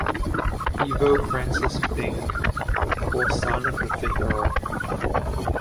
Ivo Francis Byng, fourth son of the fifth Earl.